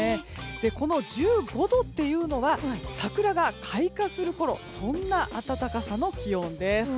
この１５度っていうのは桜が開花するころそんな暖かさの気温です。